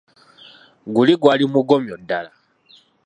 Guli gwali mugomyo ddala!